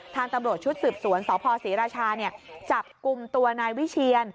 ทางตำรวจชุดสืบสวนสพศรีราชาจับกลุ่มตัวนายวิเชียน